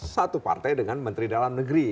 satu partai dengan menteri dalam negeri